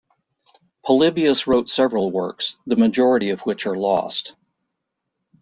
Polybius wrote several works, the majority of which are lost.